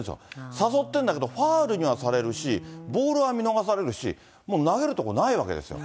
誘ってるんだけど、ファウルにはされるし、ボールは見逃されるし、もう、投げる所ないわけですよ。